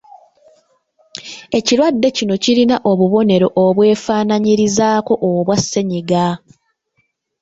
Ekirwadde kino kirina obubonero obwefaanaanyirizaako obwa ssennyiga.